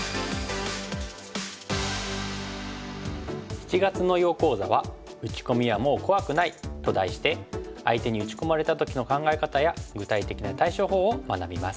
７月の囲碁講座は「打ち込みはもう怖くない」と題して相手に打ち込まれた時の考え方や具体的な対処法を学びます。